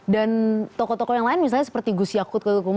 dan tokoh tokoh yang lain misalnya seperti gusya kutu